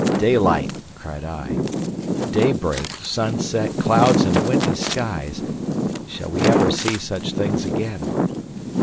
"Daylight!" cried I. "Daybreak, sunset, clouds, and windy skies! Shall we ever see such things again?"